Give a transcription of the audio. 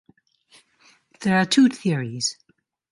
There are two theories.